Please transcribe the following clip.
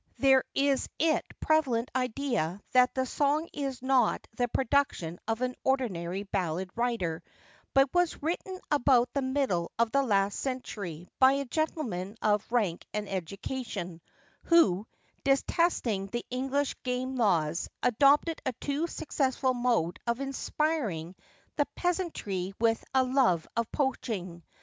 There is it prevalent idea that the song is not the production of an ordinary ballad writer, but was written about the middle of the last century by a gentleman of rank and education, who, detesting the English game laws, adopted a too successful mode of inspiring the peasantry with a love of poaching.